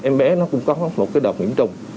em bé nó cũng có một cái đợt nhiễm trùng